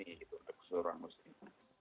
atau bisa dikeputuskan musim